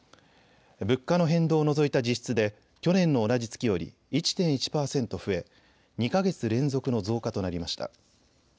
物価の変動を除いた実質で去年の同じ月より１．１％増え２か月連続の増加となりました。